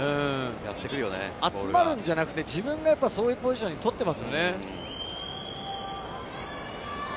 集まるんじゃなくて、自分がやっぱりそういうポジションを取ってますよね。